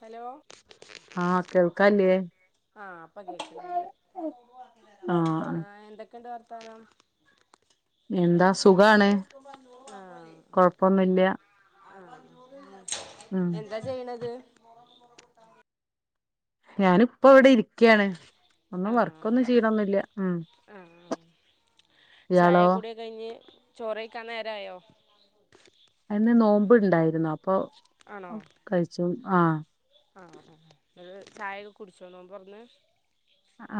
Hello ആഹ് കേൾക്കാല്ലേ ആഹ അപ്പ കേക്കുന്നുണ്ട് ആഹ് ആ എന്തൊക്കെയണ്ട് പരം എന്താ സുഖാണ് കൊഴപ്പൊന്നു ഇല്ല ആ എന്താ ചെയ്യണത് ഞാനി ഇപ്പോ ഇവിടെ ഇരിക് ക്കാണ് ഒന്ന് ആഹ് വർക്കൊന്നും ചെയ്തൊന്നില്ല ഉം ആഹ് ആഹ് ഇയാളോ ചോറൈക്കാൻ നേരായോ അന് നോമ്പ് ഇണ്ടായിരുന്നു അ അപ്പൊ കഴിച്ചു ആ ആ ആ ഒരു ചായയൊക്കെ കുടിച്ചോന്നോൻ പുറന്ന്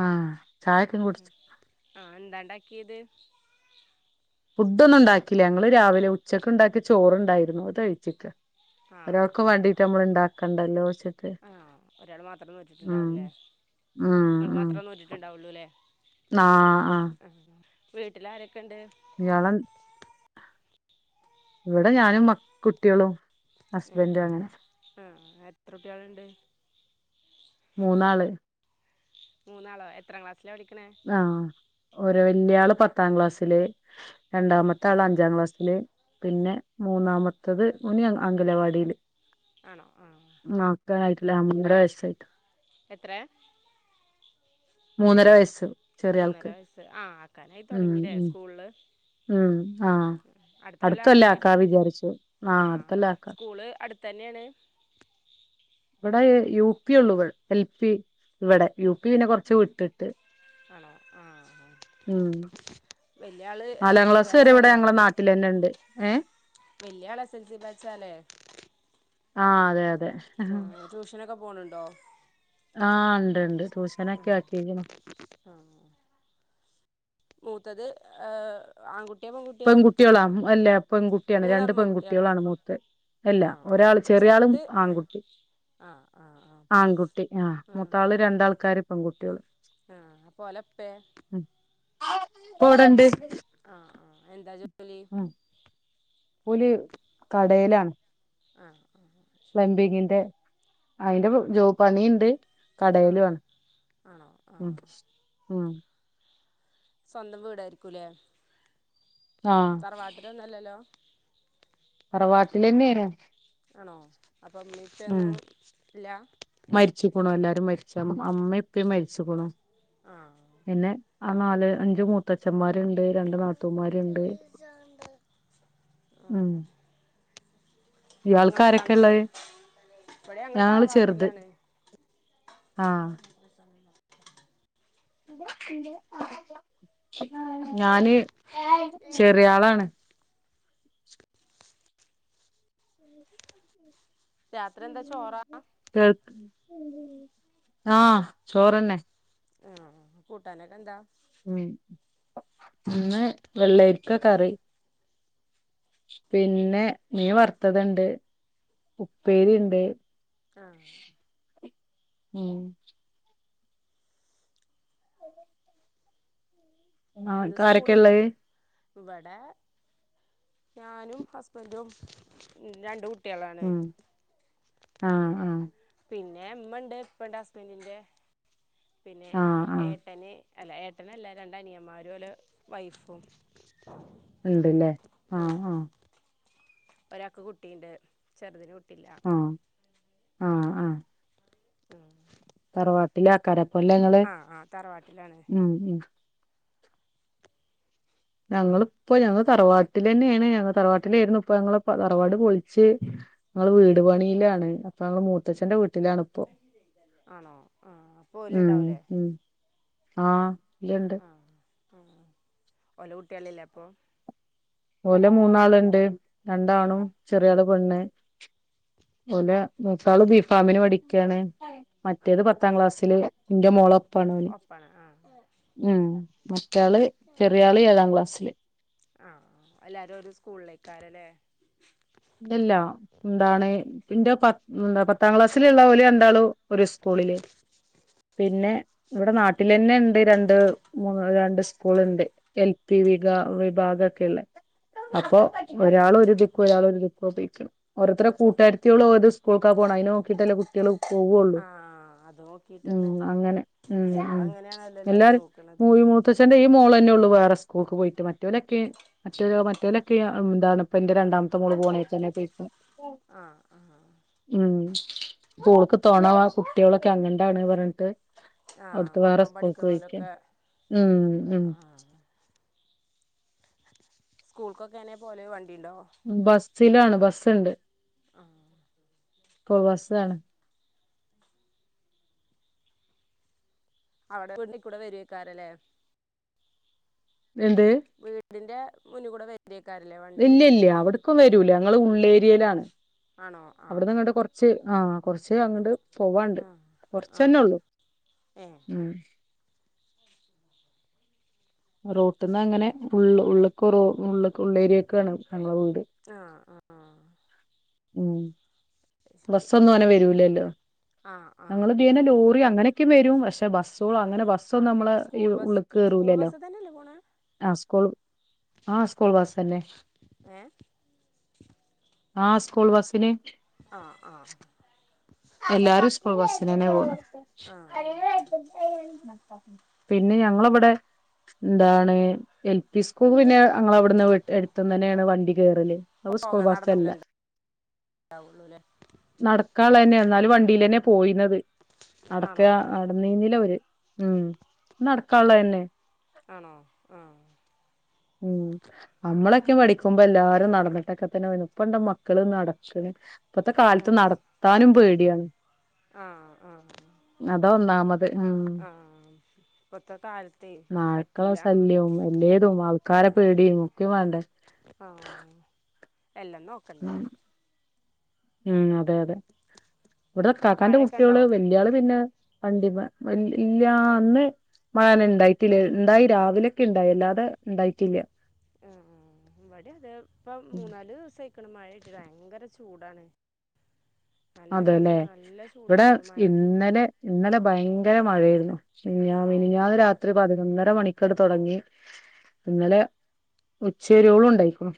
ആഹ് ചായക്കും കുടിച്ച് ആഹ് എന്താണ്ടാക്കിയത് ഫുഡ് ഒന്നും ഉണ്ടാക്കില്ല ഞങ്ങള്ൾ രാവിലെ ഉച്ചക്ക് ഉണ്ടാക്കിയ ചോറണ്ടായിരുന്നു കഴിച്ചക്ക ആ ആ വെച്ചിട്ട് ആ ഒരാൾ മാത്രേ ഉം നോറ്റിട്ടുണ്ടാവല്ലേ ഉം നിങ്ങൾ ഉം മാത്രമേ നോറ്റിട്ടുണ്ടാവുള്ളു അല്ലേ ആഹ് ആ വീട്ടിൽ ആാരൊക്കെ ഇണ്ട് ഇയാള ഇവിടെ ഞാനും മക്കളും കുട്ടികളും ഹസ്ബൻറ് അങ്ങനെ എത്രട്ട്യാളുണ്ട് മൂന്നാള് മൂന്നാളോ എത്രാം ക്ലാസ് ആഹ് ഓരോ വല്യാളും പത്താം ക്ലാസ്സില് ആഹ് രണ്ടാമത്തെ ആള് അഞ്ചാം ക്ലാസ്സില് പിന്നെ മൂന്നാമത്തത് മുനി അംഗലവാടിയില് ആണോ ആഹ് മ അക്ക ആയിട്ടില്ല അമ്മടെ വയസയിട്ട എത്ര മൂന്നര വയസ് മൂന്നര വയസ് ആ ആക്കാനായി തുടങ്ങേ ഉം സ്കൂള ഉം ആഹ് അടുത്തൊല്ല അടുത്തല്ലക്കണ്ട ആക്കാ വിചാരിച്ചു ആ ആഹ് അടുത്തൊല്ല ആക്ക സ്കൂ തന്നെയാണ് ഇവിടെ യുപി ഒള്ളൂ ഇൾ എൽ പി ഇവിടെ യു പിന കുറച്ച് വിട്ടിട്ട് അലോ ആ ആ ഉം വല്യയാള് എസ് എൽ നാലാം സി ക്ലാസ് വരെ ഇവിടെ ബച്ചാലേ ഞങ്ങളെ നാട്ടിലന്നെ ഉണ്ട് ഏഹ് വല്യള് എസ് എൽ സി ബച്ചാലേ ആ അതെ അതെ ആ ടൂഷനക്കെ പോണ് ണ്ടോ ആ ഇണ്ട് ഇണ്ട് ട്ടൂശനക്കെ ആക്കിക്ക്ണ് ത്തത് ങ് ആൺകുട്ടി പെൺകുട്ടികളാ അല്ലെ പെൺകുട്ടിയാണ് രണ്ട് മൂന്നാളും പെൺകുട്ടിയാ പെൺകുട്ടികളാണ് മൂത്ത് അല്ല ആഹ് ഒരാള് ചെറിയ ആളും ചെറുത് ആൺകുട്ടി ആഹ് ആഹ് ആഹ് ആൺകുട്ടി ആഹ മൂത്താള് ആഹ് രണ്ടാൾക്കാര് പെൺകുട്ടികൾ ആഹ് അപ്പൊ ഒലപ്പേ പോടണ്ട് ആഹ് ആഹ് എന്താ പലീ പോല് കടയിലാണ് ആ പ്ലംബിംഗിങിൻ്റെ അയിന്റെ ജോ പണിയിണ്ട് ആഹ് കടയിലും ആണ് ആണോ ഉ ആഹ് ഉം സ്വന്തം വീടായിരിക്കൂല്ലേ ആഹ് സറവാട്ടിലൊന്നുംല്ലല്ലോ തറവാട്ടില്ന്നെയാണ് ആണോ അപ്പം മീറ്റൊന്നും ഇല്ല ണോ എല്ലാരും മരിച്ച അമ്മ ഇപ്പും മരിച്ചു പോണോ ആഹ് പിന്നെ ആ നാല് അഞ്ചു മൂത്തച്ഛന്മാരുണ്ട് രണ്ടു നാത്തൂമ്മാരുണ്ട് ഉം അപ്പൊ ഇയാൾക്ക് ആരൊക്കെ നിങ്ങളെത്രാമത്തെയാ ഉള്ളത് ഇപ്പഴേ ഞങ്ങൾ ഞങ്ങള് ചെറുത് തറവാട്ടിലാണ് ആഹ് ഞാന് ചെറിയാളാണ് രാത്രി എന്താ ചോറാ ആ ചോറ്ന്നെ ആ കൂട്ടാനൊകെന്താ ഉം ഇന്ന് വെള്ളരിക്ക കറി പിന്നെ നീ മീവറുത്തത്ണ്ട് ഉപ്പേരിണ്ട് ആ ഉം അ ആ ഇന്ന് കാരൊക്കെയാള്ളത് സ്കൂളില്ലേനു ഇവിടെ ഞാനും ഹസ്ബൻഡും രണ്ട് കുട്ട ട്യാലാണെ ഉം ആഹ് ആ പിന്നെ എമ്മണ്ട് ഇപ്പണ്ട് ഹസ്ബന്റിന്റെ പിന്നെ ആഹ് ആഹ് ഏട്ടന് അല്ല ഏട്ടനല്ല രണ്ട് അനിയമാരുംല വൈഫും ഉണ്ട്ല്ലേ ആ ആ ഒരാൾക്ക് കുട്ടിയുണ്ട് ചെറുതിന് കുട്ട ആ ആ ആ ഉം തറവാട്ടില് ആക്കാരം കൊല്ലങ്ങള് ആ തറവാട്ടിലാണ് ഉം ഉം ഞങ്ങളിപ്പോ ഞങ്ങള് തറവാട്ടിലെ ന്നേണ് ഞങ്ങള് തറവാട്ടിലായിരുന്നു ഇപ്പോ ഞങ്ങളിപ്പൊ തറവാട് പൊളിച്ച് ഇപ്പം വീട് പണിയിലാണ് അപ്പോ മൂത്തച്ഛന്റെ വീട്ടി ആണോ ആഹ് അപ്പോ ഓല് ഉം ഇണ്ടാവൂലേ? ഉം ആഹ്. ഇണ്ട്. ആ ഓലെ കുട്ടികളില്ലേ അപ്പോ? ഓല് മൂന്നാളുണ്ട്. ആ രണ്ടാണും ചെറിയ ആളും. പെണ്ണ് ഓലെ മൂത്താള് ബിഫാമിന് പഠിക്യാണ് മറ്റേത് പത്ത പത്താം ക്ലാസ്സില് ഇന്റെ മോളൊപ്പം. പ്പാണോല് ഒപ്പാണ് ആ ഉം മറ്റയാള് ചെറിയാള് ഏഴാം ക്ലാസ്സില്. ആ എല്ലാരും ഒരു സ്കൂളിലേക്കാരല്ലേ? ഇല്ലില്ല എന്താണ് ഇന്റെ പത്ത് എന്ത പത്ത് പത്താം ക്ലാസ്സിലുള്ള ഓലെ രണ്ടാളും ഒരു സ്കൂളില് പിന്നെ ഇവിടെ നാട്ടിലെന്നെണ്ട് രണ്ട് മൂ രണ്ട് സ്കൂൾ ഉണ്ട് എൽ പി വി വിഭാഗം ഒക്കെള്ള ഉം അപ്പോ ഒരാള് ഒരു ഇതിക്ക് ഒരാൾ ഒരു ഇത്. [unintelligible] ഓരോതര് കൂട്ടരുത്തികള് ഓരോ സ്കൂൾക്കാ പോകണത് അയ്നു നോക്കിട്ടല്ല കുട്ടികൾ പോവുള്ളൂ ആ അത് ഉം നോക്കിയിട്ടാണ് അങ്ങനെ ഉം ഇപ്പം ഉം അങ്ങനെയാണല്ലോ എല്ലാവരും എല്ലാരും നോക്കണത് പൂവി മൂത്തച്ഛന്റെ ഈ മോള് തന്നെ ഉള്ളൂ വേറെ സ്കൂൾക്ക് പോയിട്ട് മറ്റേലൊക്കെ മറ്റ മറ്റേലൊക്കെ എന്താണ് ഇപ്പന്റെ രണ്ടാമത്തെ മോള് പോണ [unintelligible] ആ ആ ഉം ഓൾക്ക് തൊണ വ കുട്ടികളൊക്കെ അങ്ങണ്ടാണ് പറഞ്ഞിട്ട്. ആ അവിടുത്തെ വേറെ ഒപ്പം സ്കൂൾക്ക് പോയിക്കാ പഠിക്കണോലൊക്കെ ഉം ഉം. ആ ആ സ്കൂൾക്കൊക്കെ എങ്ങനാ പോവല് വ ബസ്സിലാണ് ബസ്സുണ്ട്. ആഹ് ഇപ്പോ ബസ്സാണ്. അവിടെ ഫ്രണ്ടി കൂടെ വരൊയ്ക്കാരല്ലേ. എന്ത് വീടിന്റെ മുന്നി കൂടെ വ ഇല്ല ഇല്ല അവിടുക്കും വരൂല. ഞങ്ങള് ഉള്ളേരി യിലാണ് ആണോ ആഹ് അവിടെന്ന്ങ്ങട്ട് കൊർച്ച് ആ. കൊർച്ച് അങ്ങണ്ട് പോവാണ്ട് ആഹ് കൊര്ച്ചന്നെ ആഹ് ഉള്ളു ഏഹ് ഉം. റോട്ട്ന്ന് അങ്ങനെ ഉള്ള് ഉള്ള്ക്കൊറോ ഉള്ളേര്യേക്കാണ് ഞങ്ങളെ വീട് അ ആ ആ ഉം ബസ്റ്റൊന്നും അങ്ങനെ വെരൂലല്ലൊ ആഹ് ആഹ് ഞങ്ങളെ [unintelligible] ലോറി അങ്ങനെ യ്ക്ക് മെരും പക്ഷെ ബസ് സ്കുളും അങ്ങനെ ബസ്സിനും ആഹ് നമ്മളെ സ്കൂൾ ബസ് ഉള്ളിക്ക സ്കൂൾ കയറുലല്ലോ ബസ് തന്നെയല്ലേ പോണെ? സ്കൂൾ ബസ്സിന് ഏഹ് അഹ് അഹ് എല്ലാരു സ്കൂൾ ബസ്സിനെന്നെ പോണെ ആഹ് പിന്നെ ഞങ്ങളെ ബടെ എന്താണ് എൽ പി സ്കൂൾ പിന്നെ ഞങ്ങളെ വ്ട്ന്ന് എര്ത്ത് തന്നെണ് വണ്ടിം സ്കൂൾ പോകാൻ ബസ് അല്ല നടന്ന് ണ്ടാവുള്ളൂല്ലേ നടക്കാ ള്ള ണ്ടീലെന്നെ പോയിന്നത് അടക്ക ആണോ അട നീന്നില്ല ഒരു ഉം നടക്കാള്ളെ ലെ ആണോ ആഹ് ഉം നമ്മളെ പഠിക്കുമ്പോ എല്ലാരും നടന്നിട്ടക്കെ തന്നെ ഇപ്പ എ മക്കള് നടക്കിന് ഇപ്പത്തെ കാലത്ത് ആഹ് നടക്കാനൊക്കെ ആഹ് ആഹ് അതൊന്നാമത് മ് ആഹ് ഇപ്പത്തെ കാലത്തെ നായ്ക്കളുടെ പറ്റൂല ശല്യം പേടിയും ഒക്കെ വേണ്ടേ ആഹ് എല്ലാം നോക്കണ്ടേ ഉം അതെ അതെ ഇവെട്ന്ന് കാക്കാന്റെ മഴയൊക്കെ കുട്ടിയോൾ ഉണ്ടോ വല്ല്യ ആൾ പിന്നെ പണ്ടി ഇല്ലന്ന് മഴന ഇണ്ടായിട്ടില്ല ഉണ്ടായി രാവിലെയൊക്കെ ഇണ്ടായി അല്ലാതെ ഉണ്ടായിട്ടില്ല ഏ ഇബെടിം അതെ ഇപ്പ ഉം മൂന്നാല് ദിവ്സായി ക്ക്ണ് മഴ ആയിറ്റ് ഭയങ്കര ചൂടാണ് നല്ല അതെല്ലെ ചൂടാണ് നല്ല ഇവിടെ ചൂടാണ് മഴ ഇന്നലെ ഇന്നലെ ഭയങ്കര ങ്കര മഴയെര്ന്നു ശരിയാ ആണോ മിനിഞ്ഞാന്ന് രാത്രി പതിനൊന്നര പതിനൊന്നര മണിക്കട തുടങ്ങി ഇന്നലെ ഉച്ചരോളും ഉണ്ടായിക്കണ്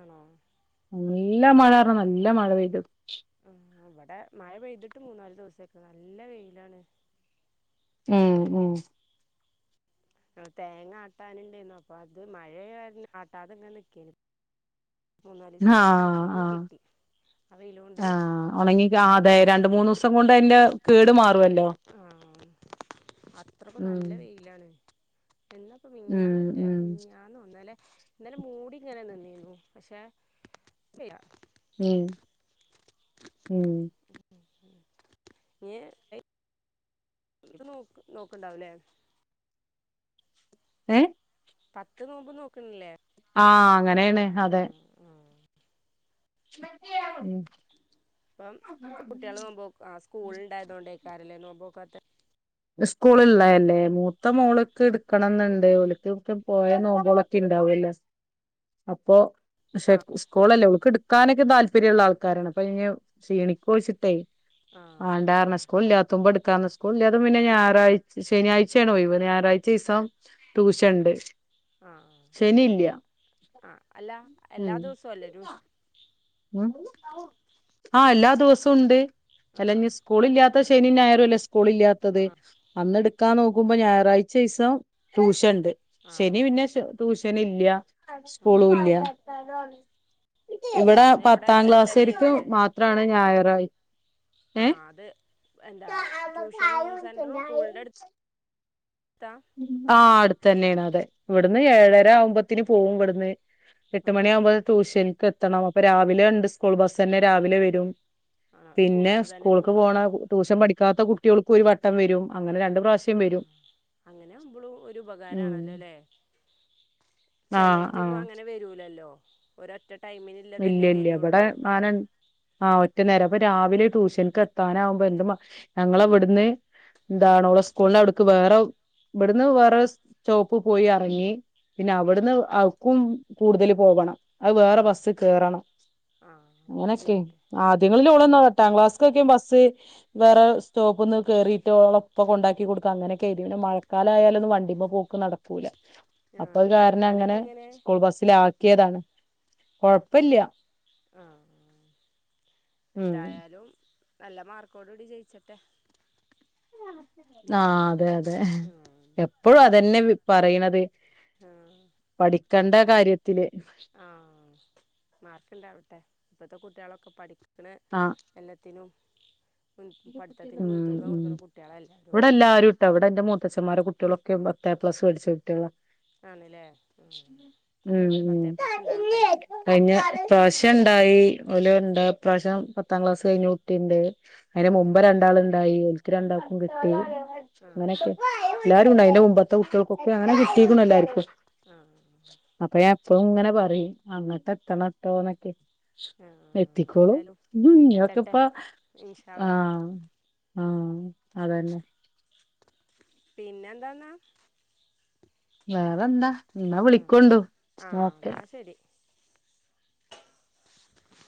ആണോ നല്ല മഴ ആയിരുന്നു നല്ല മഴ പെയ്തത് ആഹ് ഇബെടെ മഴ പെയ്തിട്ട് മൂന്നാല് ദുവ്സായി നല്ല വെയിലാണ് ഉം ഉം ഉം തേങ്ങ ആട്ടാന്ണ്ടേയ്ന്നു അപ്പൊ അത് മഴയായകാരണം ആട്ടാതെങ്ങെ നിക്കെയിനു ആഹ് ആഹ് ആ വെയില് കൊണ്ട് ആഹ് ഉണങ്ങികാ അതേ രണ്ട് മൂന്ന്സ് സം കൊണ്ട് അയിന്റെ കേടു മാറുവല്ലോ ആഹ് അത്രയ്ക്ക് ഉം നല്ല വെയിലാണ് എന്നാപ്പ ഉം മിനിഞാനെറ്റേ ഉം മിനിഞ്ഞാന്നോ ഇന്നലെ മൂടി ഇങ്ങനെ നിന്നി പഷേ [unintelligible] ഉം ഉം ഇയ്യ് നോക്ക് നോക്കണ്ടാവുലെ ഏ പത്ത് നോമ്പ് നോക്ക്ൺല്ലെ ആഹ് അങ്ങനേണ് അതെ ആഹ് ഉം ഇപ്പം കുട്ടികള് പോമ്പം ആ സ്കൂൾ ഇണ്ടായതോണ്ടെയ് കാരല്ലേ നോമ്പോക്കാത്തെ സ്കൂള്ഇള്ളല്ലേ മൂത്ത മോള്ക്ക് ഇടുക്കണംന്ന്ണ്ട് ഓല്ക്ക്ക്കെ പോയ നോമ്പുകളൊക്കെ ഇണ്ടാവല്ലേ അപ്പൊ പഷേ ആഹ് സ്കൂളല്ലെ ഓക്ക് എടുക്കാനൊക്കെ താൽ പര്യള്ള ആൾക്കാരാണ് അപ്പൊ ഇനി ഷീണിക്കോച്ചിട്ടേ ആഹ് വാണ്ടർഞ്ഞ സ്‌കൂൾ ഇല്ലാത്തുമ്പം എട് ക്കാന്ന് സ്കൂൾല്ലാ പിന്നെ ഞാറാഴ് ശനിയാഴ്ചയാണൊഴിവ് ഞായറാഴ്ച ഈസം ടുഷൻണ്ട് ആഹ് ആഹ് അല്ല ഉം എല്ലാ ദിവസവും ഇല്ലേ ടുഷ ഉം ആഹ് എല്ലാ ദിവ്സോം ഉണ്ട് അല്ല ഇഞ്ഞി ആഹ് സ്കൂളില്ലാത്ത സ് ശെനിം ഞായറും അല്ലേ സ് സ്കൂളില്ലാത്തത് ആഹ് അന്നെട് ക്കാൻ നോക്കുമ്പോ ഞായറാഴ്ച ഈസം ടുഷൻണ്ട് ണ്ട് ആണോ ശെനി പിന്നെ സ് ടുഷൻ ട്ടന് ഇല്ല്യ സ്കൂളു ഇല്ല്യാ ടുഷന് അവ് ത്താം ക്ലാസ്സേര്ക്ക് മാത്രാണ് ഞായാറായി ആ ഏ അത് എന്താ ട്യൂഷൻ സെന്ററും സ്കൂളിന്റെ അടുത്താ ആഹ് അടുത്തന്നെയാണ്, അതെ. ഇവിടുന്ന് ഏഴര ആകുമ്പത്തിന് പോവും ഇവട്ന്ന്. എട്ട് ആ മണി ആവുമ്പോൾ ട്യൂഷൻക്ക് എ [unintelligible] അപ്പ രാവിലെണ്ട് സ്കൂൾ ബസ്സന്നെ രാവിലെ വരും. ആണോ സ്കൂൾ പിന്നെ ബസ്സിൽ തന്നെ സ്കൂൾക്ക് പോവാ പോണ ട്യൂഷൻ പഠിക്കാത്ത കു കുട്ടിയോൾക്ക് ഒരു വട്ടം വരും അങ്ങനെ രണ്ട് പ്ര പ്രശ്യം ആ വരും. അങ്ങനെ ആവുമ്പളും ഒരു ഉപകാരം ഉം ആണലോലെ. ആ ചേലോടുത്തൊന്നും അങ്ങനെ വരൂല എല്ലോ ഒരറ്റ ഇല്ലഇല്ല ഇബടെ നല്ണി ഒറ്റ നേരം അപ്പോ രാവിലെ ട്യൂഷൻക്ക് എത്താനാവുമ്പോൾ ഞങ്ങളെ ഇവടന്ന് എന്താ ഓള് സ്കൂളിൽന്റെ അവുടുക്ക് വേറെ ഇവടുന്ന് വേറെ സ്റ്റോപ്പിൽ പോയി ഇറങ്ങി പിന്നെ അവ്ടുന്ന് അവുടക്ക് കൂടുതൽ പോകണം. ആ വെറെ ആണോ ബസ്സ്. കേറണം ആ അപ്പോൾ അങ്ങനെയൊക്കെനി ബുദ്ധിമുട്ട് ആ ആദ്യങ്ങളില് ഓള് എട്ടാം ക്ലാസ്സൊക്കെ ബസ്സ് വേറെ സ് സ്റ്റോപ്പ്ന്ന് കേറീട്ട് ഓളെ ഒപ്പം കൊണ്ടയാക്കി കൊടുക്ക അങ്ങനൊക്കെയിതി പിന്നെ മഴക്കാലായാലൊന്നും വണ്ടിമ്മെ പോക്ക് നടക്കൂല. ആ അപ്പൊ അത് കാരണം പഠിക്കാനൊക്കെ അങ്ങനെ എങ്ങനെ സ്കൂൾ ബസ്സിലാക്കിയതാണ്. കൊഴപ്പല്ല്യ. ആ ഉം എന്തായാലും നല്ല മാർക്കോട് കൂടി ജയിച്ചട്ടെ. ആ അതെ അതെ ആ എപ്പോഴും അതെന്നെ വി പറയിണത് ആ പഠി കണ്ട കാര്യ ആഹ് മാർക്ണ്ടാവട്ടെ ഇപ്പോത്തെ കുട്ടികളൊക്കെ [unintelligible] ക്കള് ആഹ് എല്ലത്തിനും ഉം കൊടുക്കണ കുട്ടികളാ എല്ലാരും ഇവിടെ എല്ലാരും ട്ടൊ വടെ എന്റെ മൂത്തച്ഛന്മാരെ കുട്ട്യേളൊക് ക്കെ പത്തെപ്ലസ് വെടിച്ച ട്ട്യേളാ ആണ്ല്ലേ ഉം ഉം അതേപോലെ പത്ത് എ ഉം പ്ലസ് ഉണ്ടാവട്ടെ കഴിഞ്ഞ പ്രാവശ്യം എന്തായി ഓല് ഇണ്ട് ഇപ്രാവശ്യം പത്താം ക്ലാസ് കഴിഞ്ഞ കുട്ടിണ്ട് അയിന് ആഹ് മുമ്പ് രണ്ടാള്ണ്ടായി ഓൽക്ക് രണ്ടാക്കും കിട്ടി അങ്ങനൊക്കെ ആഹ് എല്ലാരുണ്ട് ആഹ് അയ്ന്റെ മുമ്പത്തെ കുട്ട്യേൾ ഒക്കെ അങ്ങനെ കിട്ടീക്കുണു എല്ലാർക്കും ആഹ് ഇപ്പൊങ്ങനെ പറിം അങ്ങട്ടെത്തെണട്ടോ ന്നക്കെ ആഹ് എത്തിക്കോളും ഏതായാലും ഉം [unintelligible] ട്ടള്ള ഉം അതന്നെ. പിന്നെ എന്താന്ന വേറെന്ത? എന്ന വിളിക്കൊണ്ടോ [unintelligible] ആഹ് എന്നാ ശരി